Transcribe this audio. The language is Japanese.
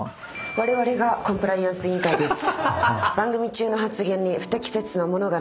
われわれがコンプライアンス委員会です。